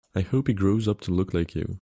I hope he grows up to look like you.